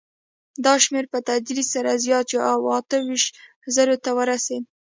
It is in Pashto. دا شمېر په تدریج سره زیات شو او اته ویشت زرو ته ورسېد.